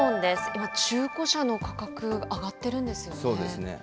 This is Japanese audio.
今、中古車の価格、上がってるんそうですね。